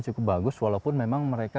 cukup bagus walaupun memang mereka